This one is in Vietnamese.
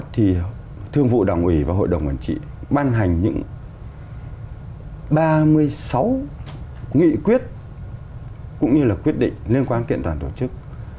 thì thương vụ đảng ủy và hội đồng quản trị ban hành những ba mươi sáu nghị quyết cũng như là quyết định liên quan kiện toàn tổ chức